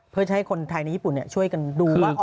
เพื่อจะให้คนไทยในญี่ปุ่นช่วยกันดูว่า